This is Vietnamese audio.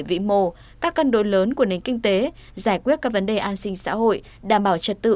vị mô các cân đối lớn của nền kinh tế giải quyết các vấn đề an sinh xã hội đảm bảo trật tự